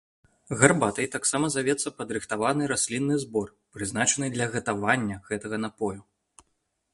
Гарбатай таксама завецца падрыхтаваны раслінны збор, прызначаны для гатавання гэтага напою.